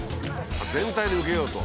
全体で受けようと。